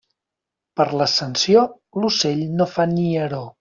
Per l'Ascensió, l'ocell no fa nieró.